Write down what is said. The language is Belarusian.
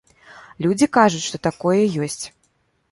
Людзі кажуць, што такое ёсць.